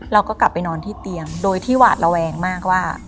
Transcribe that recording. เราก็กลับไปนอนที่เตียงโดยที่หวาดระแวงมากว่า